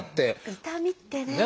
痛みってね。